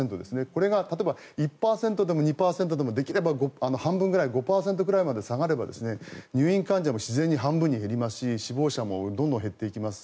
これが例えば１％でも２％でもできれば５％ぐらいまで下がれば入院患者も自然に半分まで減りますし死亡者もどんどん減っていきます。